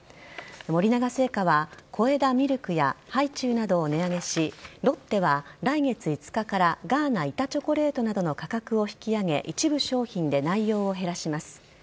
森永製菓は小枝ミルクやハイチュウなどを値上げしロッテは来月５日からガーナ板チョコレートなどの価格を引き上げ一部商品で内容量を減らします。